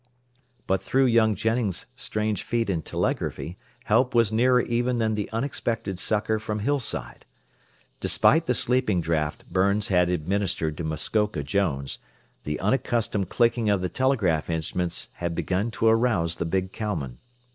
But through young Jennings' strange feat in telegraphy help was nearer even than the unexpected succor from Hillside. Despite the sleeping draught Burns had administered to Muskoka Jones, the unaccustomed clicking of the telegraph instruments had begun to arouse the big cowman.